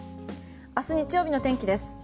明日、日曜日の天気です。